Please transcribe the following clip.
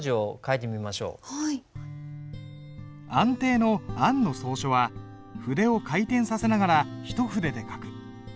安定の「安」の草書は筆を回転させながら一筆で書く。